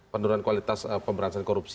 penurunan kualitas pemberantasan korupsi